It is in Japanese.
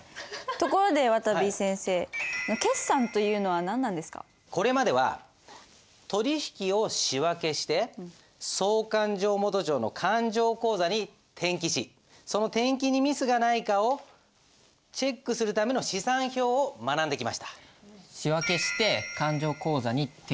ところでわたび先生これまでは取引を仕訳して総勘定元帳の勘定口座に転記しその転記にミスがないかをチェックするための試算表を学んできました。